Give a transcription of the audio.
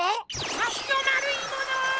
わしのまるいものっ！